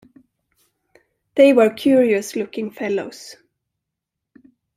They were curious-looking fellows.